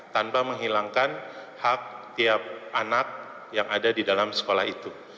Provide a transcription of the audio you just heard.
tanpa menghilangkan hak tiap anak yang ada di dalam sekolah itu